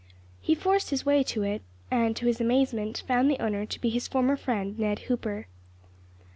He forced his way to it, and, to his amazement, found the owner to be his former friend Ned Hooper.